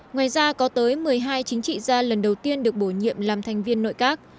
ngoài ra có tới một mươi hai chính trị gia lần đầu tiên được bổ nhiệm làm thành viên nội các